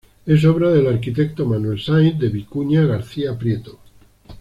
Es obra del arquitecto Manuel Sainz de Vicuña García-Prieto.